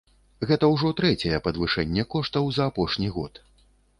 Гэта ўжо трэцяе падвышэнне коштаў за апошні год.